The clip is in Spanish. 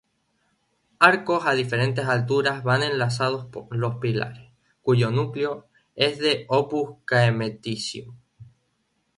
Arcos a diferentes alturas van enlazando los pilares, cuyo núcleo es de "opus caementicium".